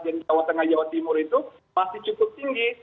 dan jawa tengah jawa timur itu masih cukup tinggi